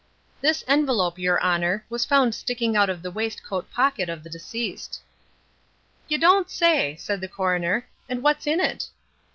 "This envelope, your Honour, was found sticking out of the waistcoat pocket of the deceased." "You don't say," said the coroner. "And what's in it?"